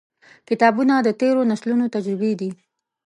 • کتابونه، د تیرو نسلونو تجربې دي.